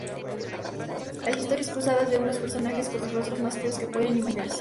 Las historias cruzadas de unos personajes con los rostros más feos que puedan imaginarse.